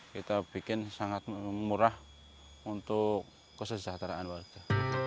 kita bikin sangat murah untuk kesejahteraan warga